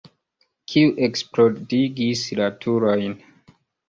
Kiu eksplodigis la turojn?